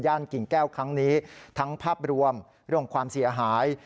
กิ่งแก้วครั้งนี้ทั้งภาพรวมเรื่องความเสียหาย